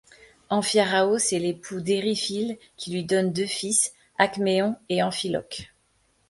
Amphiaraos est l'époux d'Ériphyle qui lui donne deux fils, Alcméon et Amphiloque.